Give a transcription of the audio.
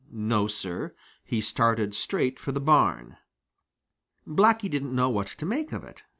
No, Sir, he started straight for the barn. Blacky didn't know what to make of it.